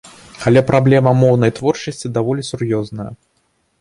Але праблема моўнай творчасці даволі сур'ёзная.